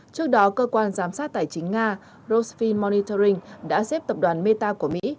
trước đó cơ quan giám sát tài chính nga rosfin monitoring đã xếp tập đoàn meta của mỹ